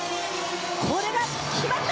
これが決まった！